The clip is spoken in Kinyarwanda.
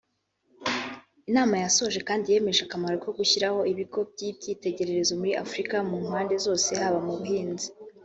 Inama yasoje kandi yemeje akamaro ko gushyiraho ibigo by’ibyitegererezo muri Afurika mu mpande zose haba mu buhinzi